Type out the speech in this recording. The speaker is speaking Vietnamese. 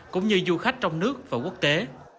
cũng như du khách trong nước và quốc tế